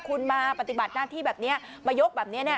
คุณมาปฏิบัติหน้าที่แบบนี้มายกแบบนี้เนี่ย